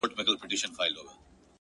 همدا اوس وايم درته،